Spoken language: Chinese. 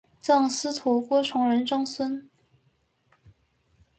赠司徒郭崇仁曾孙。